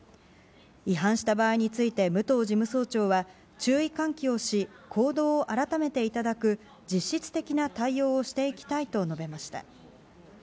違反した場合について武藤事務総長は、注意喚起をし行動を改めていただく実質的な対応をしていきたいと述べました。